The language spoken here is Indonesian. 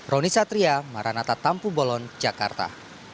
roni satria maranata tampu bolon jakarta